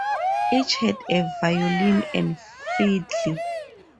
Each had a violin or fiddle.